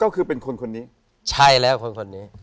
ก็คือเป็นคนคนนี้ใช่แล้วคนคนนี้